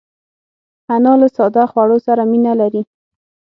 انا له ساده خوړو سره مینه لري